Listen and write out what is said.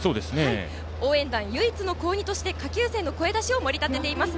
応援団、唯一の高２として下級生の声出しを盛り立てています。